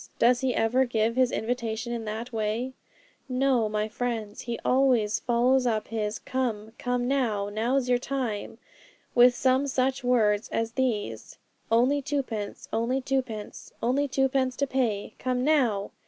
Does he ever give his invitation in that way? No, my friends; he always follows up his "Come, come now! now's your time!" with some such words as these, "Only twopence; only twopence; only twopence to pay! Come now!"